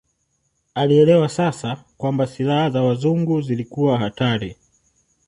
Alielewa sasa kwamba silaha za Wazungu zilikuwa hatari